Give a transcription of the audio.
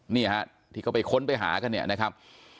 นี่ฮะที่เขาไปค้นไปหากันเนี่ยนะครับ